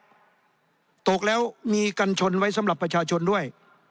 ตกแล้วมีกันชนไว้สำหรับประชาชนด้วย